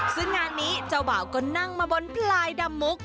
ซึ่งงานนี้เจ้าบ่าวก็นั่งมาบนพลายดำมุก